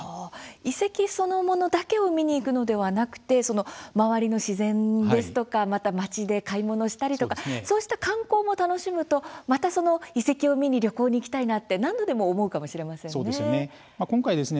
遺跡そのものだけを見に行くのではなくて周りの自然ですとかまた町で買い物したりとかそうした観光も楽しむとまた遺跡を見に旅行に行きたいなって何度でも思うかもしれませんね。